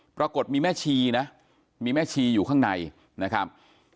ปรากฏมีแม่ชีนะมีแม่ชีอยู่ข้างในนะครับ